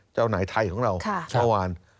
เจ้านายไทยของเราเมื่อวาน